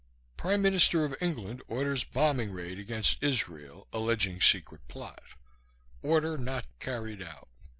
Prime Minister of England orders bombing raid against Israel, alleging secret plot (order not carried out).